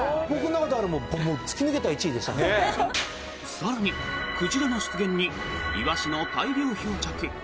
更に鯨の出現にイワシの大量漂着。